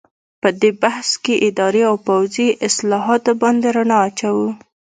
په دې بحث کې اداري او پوځي اصلاحاتو باندې رڼا اچوو.